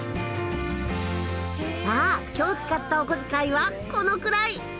さあ今日使ったおこづかいはこのくらい。